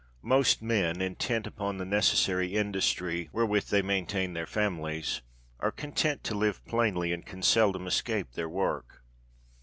Most men, intent upon the necessary industry wherewith they maintain their families, are content to live plainly, and can seldom escape their work.